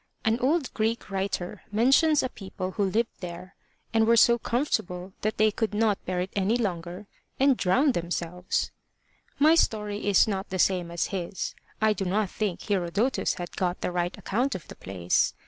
An old Greek writer mentions a people who lived there, and were so comfortable that they could not bear it any longer, and drowned themselves. My story is not the same as his. I do not think Herodotus had got the right account of the place.